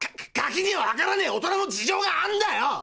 ガキにはわからねえ大人の事情があるんだよ！